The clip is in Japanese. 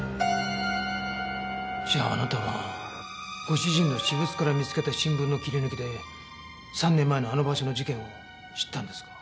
じゃああなたはご主人の私物から見つけた新聞の切り抜きで３年前のあの場所の事件を知ったんですか？